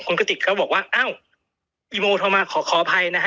คุณกติกก็บอกวะเอ้าอีโมโทรมาขอขอบใครนะคะ